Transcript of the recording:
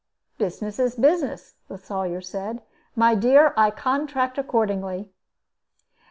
"Business is business," the Sawyer said. "My dear, I contract accordingly."